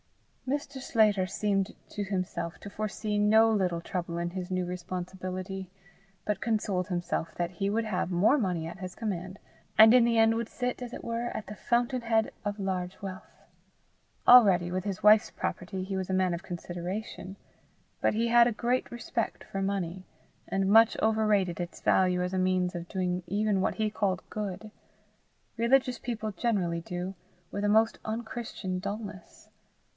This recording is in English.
Mr. Sclater seemed to himself to foresee no little trouble in his new responsibility, but consoled himself that he would have more money at his command, and in the end would sit, as it were, at the fountain head of large wealth. Already, with his wife's property, he was a man of consideration; but he had a great respect for money, and much overrated its value as a means of doing even what he called good: religious people generally do with a most unchristian dulness.